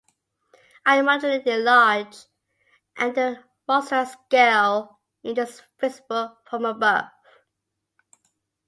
Eye moderately large and the rostral scale is just visible from above.